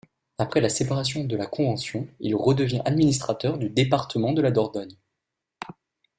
Après la séparation de la Convention, il redevient administrateur du département de la Dordogne.